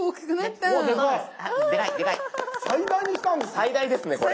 最大ですねこれ。